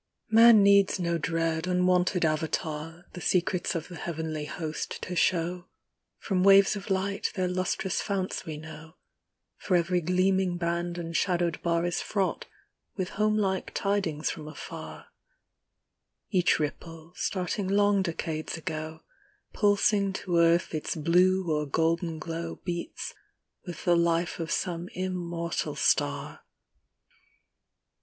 Man needs no dread unwonted Avatar The secrets of the heavenly host to show ; From waves of light, their lustrous founts we know, For every gleaming band and shadowed bar Is fraught with homelike tidings from afar ; Each ripple, starting long decades ago, Pulsing to earth its blue or golden glow. Beats with the life of some immortal star.